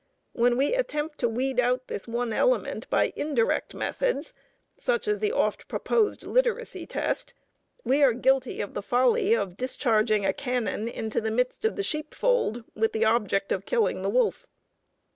When we attempt to weed out this one element by indirect methods, such as the oft proposed literacy test, we are guilty of the folly of discharging a cannon into the midst of the sheepfold with the object of killing the wolf.